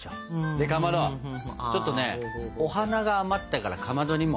でかまどちょっとねお花が余ったからかまどにも。